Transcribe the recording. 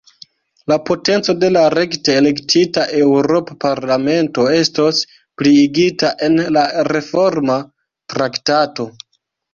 La potenco de la rekte elektita Eŭropa Parlamento estos pliigita en la Reforma Traktato.